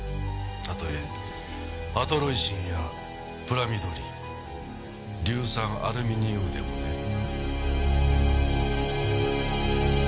たとえアトロイシンやプラミドリン硫酸アルミニウムでもね。